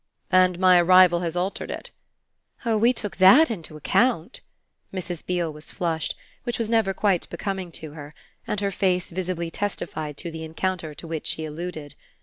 "And my arrival has altered it?" "Oh we took that into account!" Mrs. Beale was flushed, which was never quite becoming to her, and her face visibly testified to the encounter to which she alluded.